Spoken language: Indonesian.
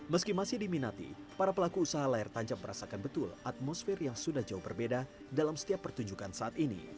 meski masih diminati para pelaku usaha layar tancap merasakan betul atmosfer yang sudah jauh berbeda dalam setiap pertunjukan saat ini